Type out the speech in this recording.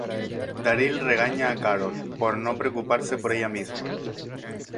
Daryl regaña a Carol por no preocuparse por ella misma.